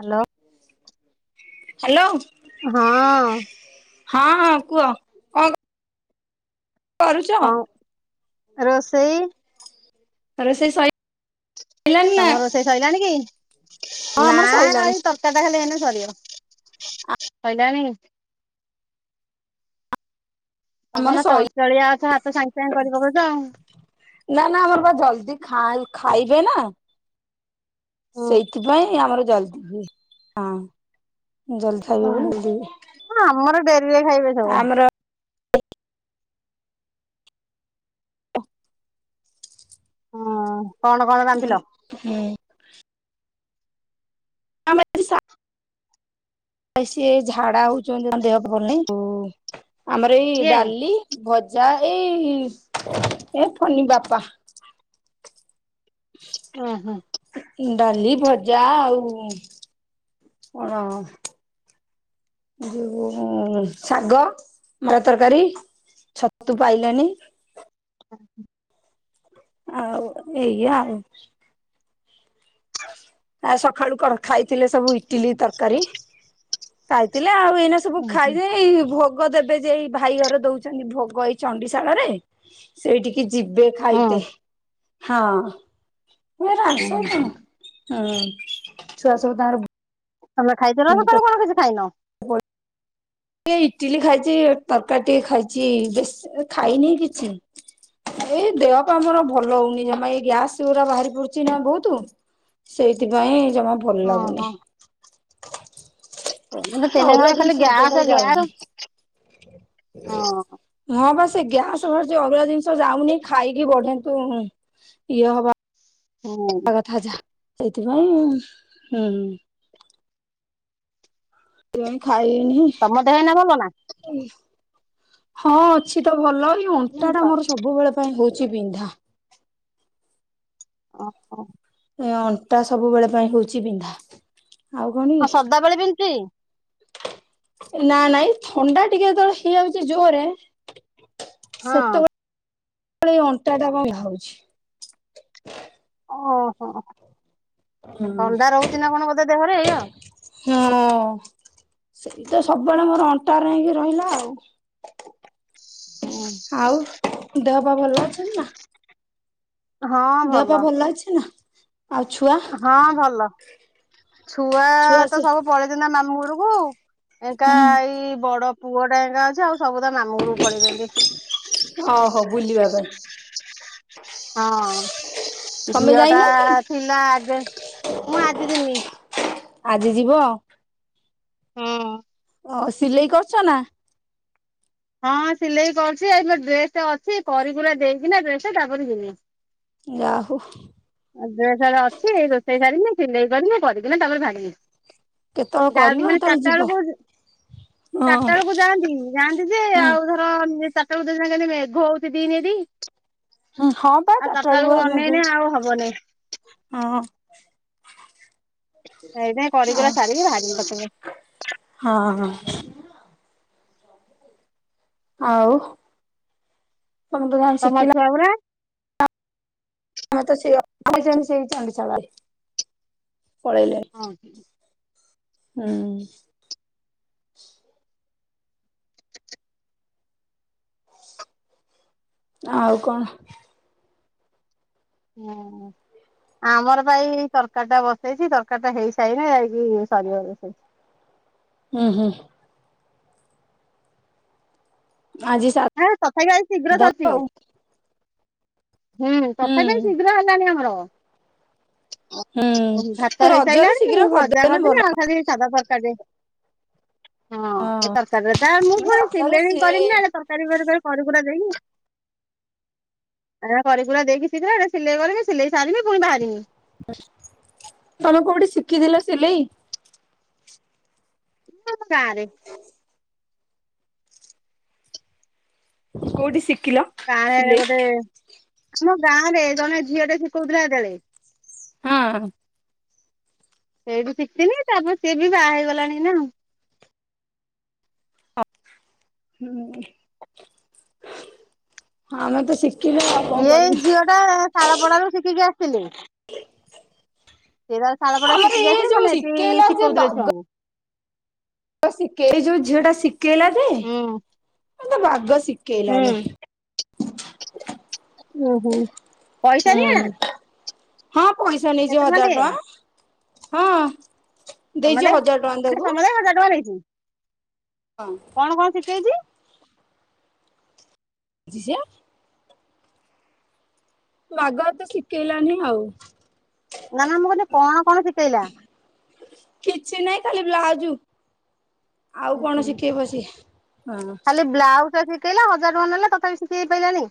Hello. Hello. ହଁ। ହଁ ହଁ କୁହ। କରୁଚ ଆଉ କଣ ରୋଷେଇ? ରୋଷେଇ ସଇ ତମର ରୋଷେଇ ସଇଲାଣି କି? ହଁ ଆମର ସଇଲାଣି କାରିଟା ଖାଲି ଏଇନା ସରିବ। ଆମର ତମର ସଇଲା ଚଞ୍ଚଳିଆ ଅଛ ହାତ ସାଙ୍ଗ ସାଙ୍ଗେ କରି ପକଉଚ ଆଉ। ନାଁ ନାଁ ଆମର ପା ଜଲ୍ଦୀ ଖାଇଁ ଖାଇବେ ନା। ସେଇଥିପାଇଁ ଆମର ଜଲଦି ହଁ ଜଲଦି ଓହୋ ସବୁବେ ହଁ ଆମର ଡେରିରେ ଖାଇବେ ସବୁ। ଆମର [inaudible] ହଁ। କଣ କଣ ରାନ୍ଧିଲ? ଉଁ ହୁଁ। ଆମ ସ [inaudible] ସିଏ ଝାଡା ହଉଛନ୍ତି ଦେହ ଭଲନାଇଁ ଆମର ଏଇ କିଏ? ଡାଲି ଭଜା ଏଇ ଏ ଫନୀ ବାପା। ଉଁ ହୁଁ। ଡାଲି ଭଜା ଆଉ ଯୋଉ ଶାଗ ମରା ତରକାରୀ। ଛତୁ ପାଇଲାଣିି। [inaudible] ଆଉ ଏଇଆ ଆଉ। ହ ଆଉ ସଖାଳୁ କଣ ଖାଇଥିଲେ ସବୁ ଇଟିଲି ତରକାରୀ ଖାଇଥିଲେ ଆଉ ଏଇନେ ସ ସବୁ ଉଁ ହୁଁ ଖାଇବେ ଏଇ ଭୋଗ ଦେବେ ଯେ ଏଇ ଭାଇ ଘର ଦଉଛନ୍ତି ଭୋଗ ଏଇ ଚଣ୍ଡିଶାଳରେ ସେଇଠିକି ଯିବେ ହୁଁ ଖାଇତେ ହଁ। ହୁ ହୁଁ ଆସ ତଣ ହଁ ଛୁଆ ସବୁ ତାଙ୍କର [unintelligible] ତମେ ଖାଇଛ ନା ବୁଲି ତ ସକାଳୁ କଣ କିଛି ଖାଇନ? ଏ ଇଟିଲି ଖାଇଚି ତରକାରି ଟିକେ ଖାଇଚି ବେଶ ଖାଇନି କିଛି। ଏଇ ଦେଅ ଆମର ଭଲ ହଉନି ଜମା ଏଇ ଗ୍ୟାସ ଗୁରା ବାହାରି ପଡୁଛି ନା ଭଉତୁ ସେଇଥି ପାଇଁ ଜମା ଭଲ ଓହୋ। ଲାଗୁନି। ଅରୁଆ [unintelligible] ଏ। ହଁ ହଁ ବା ସେ ଗ୍ୟାସ ଅବଳା ଜିନିଷ ଯାଉନି ଖାଇକି ବଢନ୍ତୁ ଇଏ ହବା ହୁଁ। [unintelligible] କଥା ଯାହା ସେଇଥିପାଇଁ ହୁଁ ହୁଁ। ସେଇଥି ଖାଇନି। ତମ ଦେହ ଏଇନା ଭଲ ନା? ହଁ ଅଛି ତ ଭଲ, ଏଇ ଅଣ୍ଟା ଟା ମୋର ସବୁବେଳେ ପାଇଁ ହେଉଚି ବିନ୍ଧା। ଅ ହୋ। ଅଣ୍ଟା ସବୁବେଳେ ପାଇଁ ହୋଉଚି ବିନ୍ଧା। ଆଉ କଣ କି ହଁ ସଦାବେଳେ [unintelligible] ନା ନାଇଁ ଥଣ୍ଡା ଟିକେ ଯେତେବେଳେ ହେଇଯାଉଛି ଜୋରେ ହଁ। ସେତେବେଳେ ଏଇ ଅଣ୍ଟା ଟା ବିନ୍ଧା ହଉଚି। ଓହୋ ହଁ ଥଣ୍ଡା ରହୁଛି ନା କଣ ବୋଧେ ଦେହରେ ଏଇ ଆଉ। ହଁ ସେଇ ତ ସବୁବେଳେ ମୋର ଅଣ୍ଟାରେ ହେଇକି ରହିଲା ଆଉ। ହୁଁ ଆଉ ଦେହ ପା ଭଲ ଅଛନ୍ତି ନା? ଦେହ ପା ଭଲ ଅଛି ନା ଆଉ ଛୁଆ? ହଁ ଭଲ ଛୁଆ ତ ସବୁ ପଳେଇଛନ୍ତି ନା ମାମୁଁ ଘରକୁ। ଏକା ହୁଁ ଏଇ ବଡ ପୁଅ ଟା ଏ ଅଛି, ଆଉ ସବୁ ତା ମାମୁଁ ଘରୁକୁ ପଳେଇଛନ୍ତି। ଓ ହୋ ବୁଲିବା ପାଇଁ। ହଁ ତମେ ଝିଅ ଟା ଯାଇନ କି? ଥିଲା ଆଗେ ମୁଁ ଆଜି ଯମି ଆଜି ଯିବ? ହଁ ଓ ସିଲେଇ କରୁଚୁ ନା? ହଁ ସିଲେଇ କରୁଚୁ ଆ ଡ୍ରେସ ଟା ଅଛି କରିି କୁରା ଦେଇକି ନା ଡ୍ରେସ୍ ଟା ତାପରେ ଜିମି। ଯାହା ହୋଉ। ଆ ଅଛିଇ ରୋଷେଇ ସାରିନି ସିଲେଇ କରନି କରିକିନା ତାପରେ ଭାଙ୍ଗି [unintelligible] କେତେବେଳେ ଯା କରିବ ମାନେ କେତେବେଳେ ଚାରିଟା ଯିବ। ବେଳକୁ ହଁ ଚାରିଟା ବେଳକୁ ଯାଆନ୍ତି ଯାଆନ୍ତି ଯେ ହୁଁ ଆଉ [unintelligible] ଚାରି ଟା ବେଳକୁ ଦି ଦିନେ ମେଘ ହୋଉଚି ଦିନଟି। ହଁ ପା [unintelligible] ଆଉ ହବନି ହଁ। ଏଯାଏଁ ଅ କରିକୁରା ସାରିକି ବାହାରିବି ପଛକେ। ହଁ। ଆଉ ତମେ ତ ଯାହା ତମ ଶିଖିଲ ଛୁଆ ଗୁଡା ମତେ ସେ [unintelligible] ପଳେଇିଲେ, ହୁଁ। ଆଉ କଣ? ହୁଁ। ଆମର ପାଇଁ ତରକାରୀ ଟା ବସେଇଛି ତରକାରୀ ଟା ହେଇସାଇନି ଯାଇକି ସରିବ [unintelligible] ହୁଁ ହୁଁ। ଆଜି ସାତ ହଁ ତଥାପି ଆଜି ଶୀଘ୍ର ସାରିଚି। ହୁଁ ତଥାପି ଶୀଘ୍ର ହେଲାଣି ଆମର। ହୁଁ ଭାତ ରଜରେ ହେଇସାରିଲାଣି ଶୀଘ୍ର ଭଜା ଭଲ। କରିଦେଲେ ଆଉ ଖାଲି ସାଧା ତରକାର ହଁ ଏ ତରକାରୀରେ ତ ଆଉ ମୁଁ ପୁଣି ରଜରେ ସିଲେଇ କରିବି ନା, ସି ଏ ତରକାରୀ କରିକୁରା ଦେଇକି ଆ କରିି କୁରା ଦେଇକି ସିଥିଲା ଏଟା ସିଲେଇ କରିବି ସିଲେଇ ସାରିବି ପୁଣି ବାହାରିବି। ତମେ କୋଉଠି ଶିଖିଥିଲ ସିଲେଇ? [unintelligible] ଗାଁରେ। [unintelligible] ଶିକ୍। ଆମ ଗାଁରେ ଗୋଟେ ଆମ ଗାଁ ରେ ଜଣେ ଝିଅ ଟେ ଶିଖଉଥିଲା ସେତେବେଳେ ହଁ। ସେଇଠୁ ଶିଖିନି ତାପରେ ସିଏ ବି ବାହା ହେଇଗଲାଣି ନା। ହୁଁ ଆମେ ତ ଶିକ ଇଏଇ ଝିଅ ଟା ସାଳ ପଡାାରୁୁ ଶିଖିକି ଆସିଥିଲି ସେଇଟା ତାର ଶାଳପଡା ଆମର ଶିଖିକି ଇଏ ଆସି ଯୋଉ ମାନେ ଏଠି ଶିଖେଇଲା ଶିକୋଉଥିଲେ ଛୁଆଙ୍କୁ। ଶିଖେଇ ଯୋଉ ଝିଅ ଟା ଶିଖେଇଲା ଯେ ହୁଁ। ଯେ ବାଗ ଶିଖେଇଲାନି ହୁଁ ଓହୋ ପଇସା ହୁଁ ନିଏନା। ହଁ ପଇସା ନେଇଛି ହଜାର ନିଏ ଟଙ୍କା ହଁ ଦେଇଛି ସମତେ ହଜାର ଟଙ୍କା ମାନେ ତାକୁ ସମତେ ହଜାର ଟଙ୍କା ନେଇଛିି। ହଁ କଣ କଣ ଶିଖେଇଛି ବୁଝିଛ ଆ ବାଗ ତ ଶିଖେଇଲାନି ଆଉ ନା ମୁଁ କିଇଲି କଣ କଣ ଶିଖେଇଲା କିଛି ନାହିଁ ଖାଲି ବ୍ଲାଉଜୁ ଆଉ କଣ ଶିଖେଇବ ସିଏ ହଁ ଖାଲି ବ୍ଲାଉଜ ଅଛି କଇଲା ହଜାର ଟଙ୍କା ନେଲା ତଥାପି ସିକେଇ ପାଇଲାନାଇ।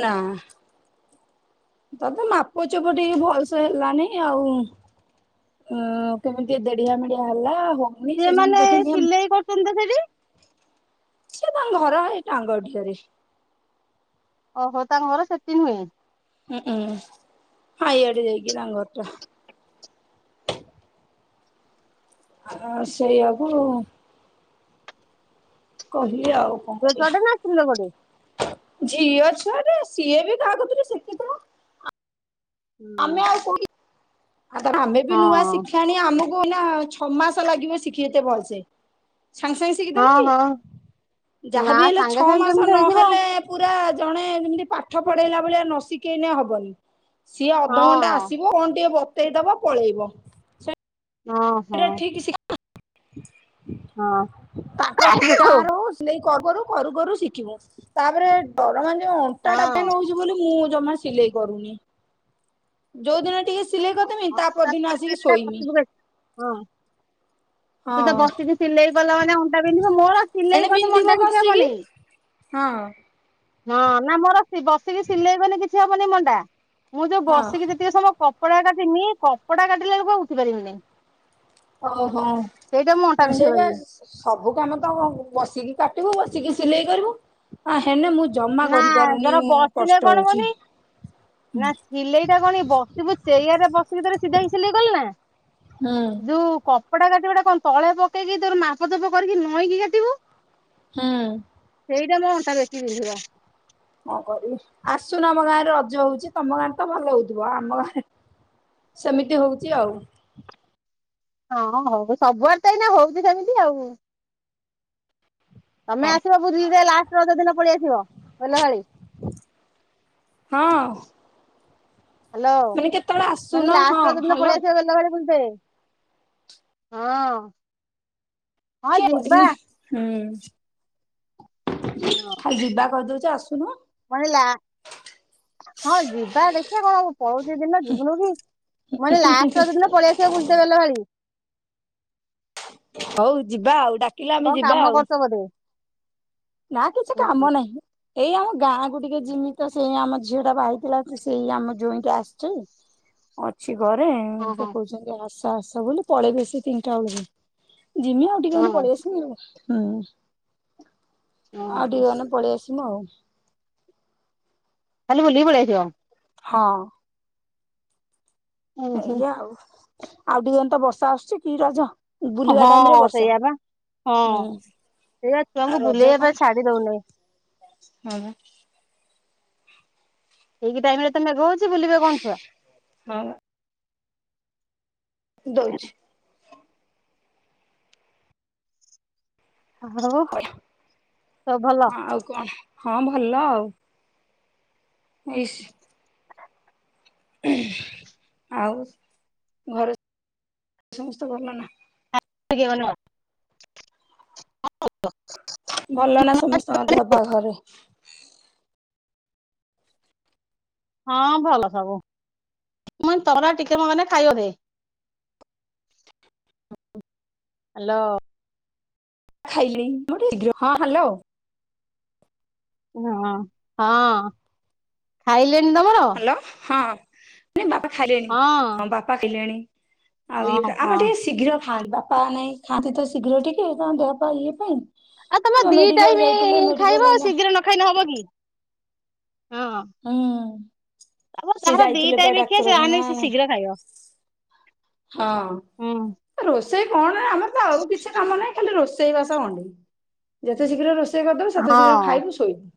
ନା। ତତେ ମାପଚୁପ ଟିକେ ଭଲସେ ହେଲାନି ଆଉ। ହ କେମିତି ଦେଢଡିଆ ମିେଡିଆ ହେଲା ଆ ହଉ ସେିମାନୋନେ ସିଲେଇ କରୁଛନ୍ତି ତ ସେଠି ସିଏ ତାଙ୍କ ଘର ହେ ଟାଙ୍ଗ ଅରେ ଓହୋ ତାଙ୍କ ଘର ସେତି ନୁହେଁ ହୁଁ ହୁଁ ହାଇଆଡେ ଯାଇକି ତାଙ୍ଗ ଘଟା। ଆ ସେଇଆକୁ କହିଲି ଆଉ କଣ ତୋ କରିବା ଛୁଆଟା ନାଚୁଥିଲା ବୋଧେ ଝିଅ ଛୁଆଟା ସିଏ ବି କାହା କତିରେ ଶିଖିଥିବ ହଁ ଆମେ ଆଉ କ ଆମେ ବି ନୂଆ ଶିଖି ଶାଣି ଆମକୁ ନା ଛଅ ମାସ ଲାଗିବ ଶିଖିତେ ଭଲସେ ସାଙ୍ଗେ ସାଙ୍ଗେ ହଁ ହଁ କି ନା ଯାହାବ ହେଲେ ସାଙ୍ଗେ ଛଅ ସାଙ୍ଗେ ମାସ କେମିତି ହେଇଯିବ? ନହେଲେ ପୁରା ଜଣେ ଯେମିତି ପାଠ ପଢେଇଲା ଭଳିଆ ନ ଶିଖେଇଲେ ହବନି। ସିଏ ହଁ ଅଧଘଣ୍ଟା ଆସିବ କଣ ଟିକେ ବତେଇଦବ ପଳେଇବ। ଓହୋ ହଁ ସେଟା ଠିକ ହଁ [inaudible] ତାଙ୍କର ଯାହାର କର କରୁ କରୁ କରୁ ଶିଖିବୁ ତାପରେ ଡର ମାନେ ଯୋଉ ା ହଉଛି ବୋଲି ମୁଁ ଜମା ସିଲେଇ କରୁନି ଯୋଉ ଦିନ ଟିକେ ସିଲେଇ କରିଦେମି ତା [unintelligible] ପରଦିନ ଆସିକି ଶୋଇମି ହଁ। ତ ତ ବସିକି ସିଲେଇ କଲା ମାନେ ଅଣ୍ଟା ବିନ୍ଧିବ ମୋର ସିଲେଇ ଏଣେ ଗଲେ ବିନ୍ଧିବ ଅଣ୍ଟା କିଛି କଷିକି। ହବନି ହଁ। ହଁ ନା ମୋର ବସିକି ସିଲେଇବନି କିଛି ହବନି ମଣ୍ଡା ମୁଁ ଯୋଉ ହଁ ବସିକି ଯେତିକି ସମୟ କପଡା କାଟି କପଡାଲା ବେଳକୁ କଆ ବୁଝିପାରିବିନି। ଓହୋ ମୁଁ ଅଣ୍ଟା ବିନ୍ଧେଇ ସେଇପା। ପାରିବି ସବୁ କାମ ତ ବସିକି କାଟିବୁ ବସିକି ସିଲେଇ କରିବୁ ଆ ହେଲେ ମୁଁ ଜମା ନା କରିପାରୁନି ଧର ମୁଁ ବସିଲେ କଷ୍ଟ ହଉଛି। ସିଲେଇଟା କଣ ବସିବୁ ଚେୟାର ରେ ବସିକି ଥରେ ସିଧାି ସିଲେଇ ଗଲେ ନା ହୁଁ ଯୋଉ କପଡା କାଟିବାଟା କଣ ତଳେ ପକେଇକି ତୋର ମାପ ଦୋପ କରିକି ନଈକି କାଟିବୁ ହୁଁ ସେଇଟା ମୋ ଅଣ୍ଟା ବେଶି ବିନ୍ଧିବା କଁ କରିବି ଆସୁନ ଆମ ଗାଁରେ ରଜ ହଉଛି ତମ ଗାଁରେ ତ ଭଲ ହଉଥିବ ଆମ ଗାଁରେ ସେମିତି ହଉଛି ଆଉ। ହଁ ହଉ ସବୁଆଡେ ତ ଏଇନା ହଉଚି ସେମିତି ଆଉ। ତମେ ଆସିବ ବୁଲିତେ ଲାଷ୍ଟେ ରଜ ଦିନ ପଳିଆସିବ ବେଲ ଭାଳି। ହଁ। ହ୍ୟାଲୋ ମାନେ କେତେବେଳେ ମୁଁ ଆସୁନ କଇନି ହଁ ଲାଷ୍ଟେ ରଜଦିନ ହ୍ୟାଲୋ ପଳେଇ ଆସିବ ବେଲ ଭାଳି ବୁଲ୍ତେ। ହଁ। [unintelligible] ହଁ ହୁଁ। ଯିବା ଆଉ ଯିବା କହିଦଉଚ ଆସୁନ। କଣିଲା ହଁ ଯିବା ଦେଖିଆ କଣ ଆଉ ପଳୋଉଚି ଦିନ ଯିବୁନୋଉ କି। ମୁଁ କଇନି ଲାଷ୍ଟେ ରଜଦିନ ପଳିଆସିବ ବୁଲିତେ ବେଲ ଭଳି। ହଉ ଯିବା ଆଉ ଡାକ କଣ କାମ କରୁଚ ବୋଧେ। ନା କିଛି କାମ ଓହୋ ନାହିଁ। ଏଇ ଆମ ଗାଁ କୁ ଟିକେ ଜିମି ତ ସେଇ ଆମ ଝିଅ ଟା ବାହାଥିଲା ସେଇ ଆମ ଜୋଇଁଟାଁ ଆସିଚି। ଅଛି ଘରେ ସେ ଓହୋ କୋହୁଚନ୍ତି ଆସ ଆସ ବୋଲି ପଳେଇବେ ସେ ତିନିଟା ବେଳକୁ। ଜିମି ଆଉଟିକେ ଗନେ ହଁ ପଳି ଆସିମି ଆଉ ହୁଁ। ହଁ। ଆଉ ଟିକେ ଗନେ ପଳି ଆସିମୁ ଆଉ। ଖାଲି ବୁଲି କି ପଳିଆସିବ। ହଁ। ଉୁଁ ହୁଁ ଏଇଆ ଆଉ ଆଉ ଟିକେ ଗନେ ତ ବର୍ଷା ଆସୁଚି କି ରଜ। ବୁଲିବା ହଁ ଟାଇମ ରେ ବର୍ଷା। ସେୟା ବା ହୁଁ ହଁ। ସେଇଆ ଆଉ ଛୁଆଙ୍କୁ ରଜ ବୁଲେଇବା ପାଇଁ କଣ ଛାଡି ଦୋଉନେଇ। ହଁ। ଠିକି ଟାଇମ ରେ ତ ମେଘ ହୋଉଚି ବୁଲିବେ କଣ ଛୁଆ। ହଁ ବା। ଦୋଉଚି। [unintelligible] ସବୁ ଭଲ ବଢିଆ ଅଁ ଆଉ କଣ ହଁ ଭଲ ଆଉ। ଏଇସି ଆଉ ଘରେ ସମସ୍ତେ ଭଲ ନା। [unintelligible] ଭଲ ନା ସମସ୍ତଙ୍କ ଦେହ ପା ଘରେ। ହଁ ଭଲ ସବୁ ମୁଇଁ ତରା ଟିକେ ମଗନେ ଖାଇବ ଦେ। [inaudible] ହ୍ୟାଲୋ। ହଁ ହାଲୋ। ହଁ ହଁ ଖାଇଲେଣି ତମର। ହଁ ହ୍ୟାଲୋ ନାଇ ବାପା ଖାଇଲେଣି ହଁ ବାପା ଇଲେଣି। ଆଉ ଇ ଓହୋ। ଆମର ଟିକେ ଶୀଘ୍ର ଖାନ୍ତି ବାପା ନାଇଁ ଖାଆନ୍ତି ତ ଶୀଘ୍ର ଟିକେ କଣ ଦେହ ପା ଇଏ ପାଇଁ। ଆଉ ତମେ ଦି ମେଡିକାଲ ଟାଇମି ଯାଇଥିଲେ ଖାଇବ ମେଡିକାଲ ଏଇନା ଶୀଗ୍ର ନ ଖାଇନେ ହବ କି ହଁ। ହୁଁ ତାପରେ ସେ ଯାହାର ଦି ଯାଇଥିଲେ ପା ଟାଇମ ଖିଆ ସେ ଯାହାହେଲେ ଡାକ୍ତରଖାନା ସେ ଶୀଘ୍ର ଖାଇବ। ହୁଁ ହଁ ରୋଷେଇ କଣ ନା ଆମର ତ ଆଉ କିଛି କାମ ନାହିଁ ଖାଲି ରୋଷେଇ। ରୋଷେଇ ବାସ ଅଣ୍ଡେଇ ଯେତେ ଶୀଘ୍ର ରୋଷେଇ କରିଦବୁ ସେତେ ହଁ ଶୀଘ୍ର ଖାଇବୁ ଶୋଇବୁ।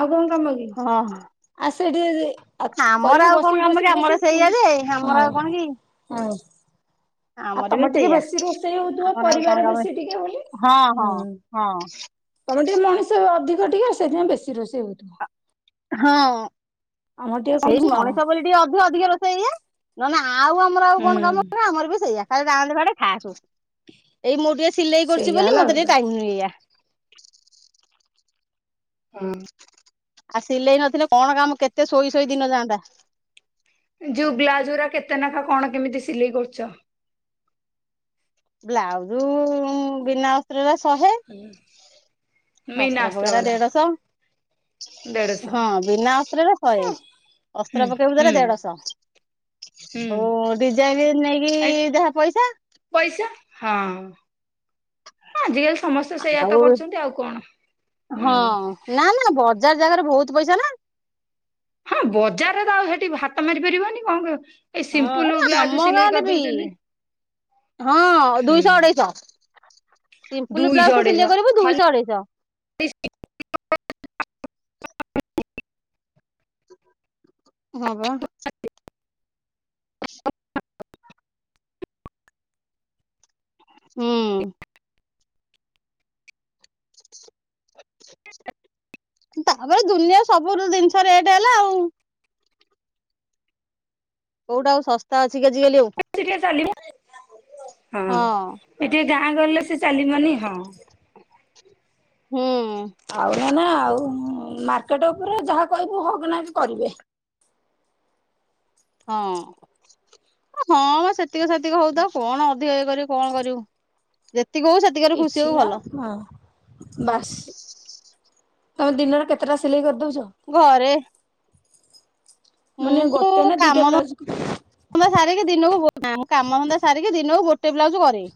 ଆଉ କଣ କାମକି। ହଁ। ଆମର କରିବୁ ଆଉ ବସିବୁ କଣ କାମ ବସିବୁ କି ବସିବୁ ଆମର ପୁଣି ସେଇଆ ଯେ ହଁ ଆମର ଆଉ କଣ କି। ହଁ। ଆଉ ଆମର ବି ତମର ଟିକେ ସେଇଆ ବେଶୀ ରୋଷେଇ ହୋଉଥିବ ଆମର ଆଉ କଣ ପରିବାର କାମ ବେଶୀ ଟିକେ ବୋଲି ହଁ ହୁଁ। ହଁ ହଁ। ତମର ଟିକେ ମଣିଷ ଅଧିକ ଟିକେ ସେଥିପାଇଁ ବେଶୀ ରୋଷେଇ ହୋଉଥିବ। ଆମର ହଁ ଟିକେ କଣ ସେଇ କି ହଁ। ମଣିଷ ବୋଲି ଟିକେ ଅଧିଅ ଅଧିକ ରୋଷେଇ ଏୟା ନହଲେ ଆଉ ଆମ ଆମର ଆଉ କଣ ହୁଁ କାମ କ ଆମର ବି ସେଇଆ ଖାଲି ରାଣ ବାଡେ ଖାଇଆ ଆସୁ ଏଇ ମୁଁ ଟିକେ ସିଲେଇ କରୁଛି ସେଇଆ ବୋଲି ହେଲା ମୋତେ କଥା ଟିକେ ଟାଇ ନୁହେଁା ହଁ ଆଉ ସିଲେଇ ନଥିଲେ କଣ କାମ କେତେ ଶୋଇ ଶୋଇ ଦିନ ଯାନ୍ତା ଯୋଉ ବ୍ଲାଜା କେତେ ନଖା କଣ କେମିତି ସିଲେଇ କରୁଛ? ବ୍ଲାଉଜ ବିନା ଅସ୍ତ୍ରରେ ଶହେ ଆ। ଅସ୍ତ୍ର ବଗେରା ଦେଢ଼ଶହ ଦେଢଶହ ହଁ ବିନା ଅସ୍ତ୍ରରେ ଶହେ ହୁଁ ଅସ୍ତ୍ର ପକେଇବ ଦେଲେ ହୁଁ। ଦେଢଶହ। ହୁଁ ଆଉ ଡିଜାଇନ ନେଇକି ଆଇ ଯାହା ପଇସା ପଇସା ହଁ ଆଜିକାଲି ସମସ୍ତେ ସେଇୟ ତ ଆଉ କରୁଛନ୍ତି ଆଉ କଣ ‌ ହଁ ହୁଁ। ନା ନା ବଜାର ଜାଗାରେ ବହୁତ ପଇସା ନା। ହଁ ବଜାରରେ ତ ଆଉ ସେଠି ହାତ ମାରିପାରିବନି କଣ କହ। ହଁ ଆରେ ଆମ ଗାଁ ଦେବି ହଁ ହୁଁ ଦୁଇଶହ ଅଢେଇଶହ। ସମ୍ପଲ ଦୁଇଶହ ବ୍ଲାଉଜ ଟ ସିଲେଇ ଅଢେଇଶହ କରିବ ଖାଲି ଦୁଇଶହ ଅଢେଇଶହ [inaudible] ହଁ ବା ହୁଁ। [inaudible] ତାପରେ ଦୁନିଆ ସବୁ ଜିନିଷ ରେଟ ହେଲା ଆଉ କୋଉଟା ଆଉ ଶସ୍ତା ଅଛି କି ଆଜିିକାଲି ଆଉ ଚାଲିବ। ହଁ ଏ ଟିକେ ଗାଁ ଗଲେ ସେ ଚାଲିବନି ହଁ। ହୁଁ ଆଉ ନା ନା ଆଉ ମାର୍କେଟ ଉପରେ ଯାହା କହିବୁ ହ କି ନା କରିବେ ହଁ ହଁ ସେତିକି ସେତିକ ହଉ ତ କଣ ଅଧିକ ଇଏ କରିବ କଣ କରିବୁ ଯେତିକି ହଉ ସେକ କିଛି ନା ହଁ ବାସ ତମେ ଦିନରେ କେତେଟା ସିଲେଇ କରିଦଉଛ? ଘରେ ମାନେ ଗୋଟେ ନା ଦିଟା ପ୍ଲାଜ ତ ସାରିକି ଦିନକୁ କାମନ୍ା ସାରିକି ଦିନକୁ ଗୋଟେ ବ୍ଲାଉଜ କରେଇ।